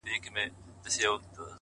نن مي بيا پنـځه چيلمه ووهـل’